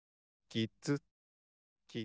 キツ。